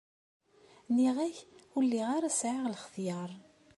Nniɣ-ak ur lliɣ ara sɛiɣ lxetyar.